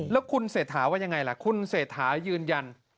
แล้วคุณเศรษฐาว่ายังไงล่ะคุณเศรษฐายืนยัน